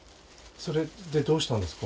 それでどうしたんですか？